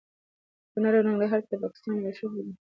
په کنړ او ننګرهار کې د پاکستاني ملیشو بریدونه ولسمشر ته ندي رسېدلي.